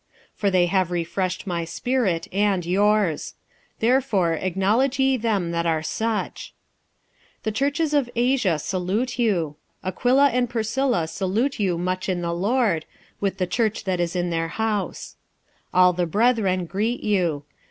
46:016:018 For they have refreshed my spirit and your's: therefore acknowledge ye them that are such. 46:016:019 The churches of Asia salute you. Aquila and Priscilla salute you much in the Lord, with the church that is in their house. 46:016:020 All the brethren greet you.